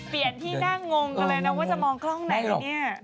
เปลี่ยนที่นั่งงงกันเลยนะว่าจะมองกล้องไหนเนี่ย